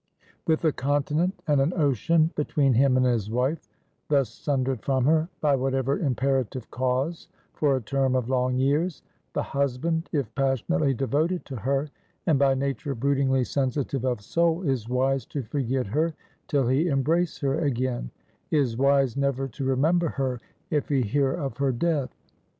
With a continent and an ocean between him and his wife thus sundered from her, by whatever imperative cause, for a term of long years; the husband, if passionately devoted to her, and by nature broodingly sensitive of soul, is wise to forget her till he embrace her again; is wise never to remember her if he hear of her death.